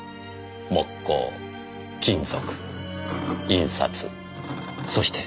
木工金属印刷そして洋裁。